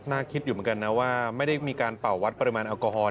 น่าคิดอยู่เหมือนกันนะว่าไม่ได้มีการเป่าวัดปริมาณแอลกอฮอล